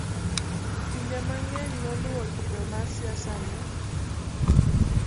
pinje mang'eny noluwo kido mar siasa ni